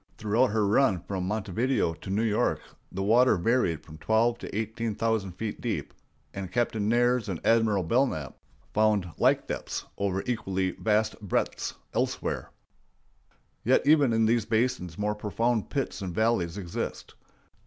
Throughout her run from Montevideo to New York the water varied from twelve to eighteen thousand feet deep, and Captain Nares and Admiral Belknap found like depths over equally vast breadths elsewhere. Yet even in these basins more profound pits and valleys exist.